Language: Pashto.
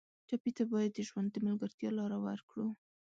ټپي ته باید د ژوند د ملګرتیا لاره ورکړو.